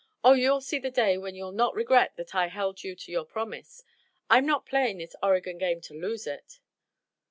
Oh, you'll see the day when you'll not regret that I held you to your promise! I'm not playing this Oregon game to lose it."